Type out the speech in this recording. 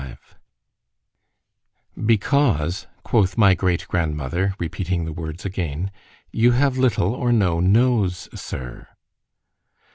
XXV ——"BECAUSE," quoth my great grandmother, repeating the words again—"you have little or no nose, Sir."